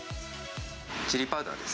チリパウダーです。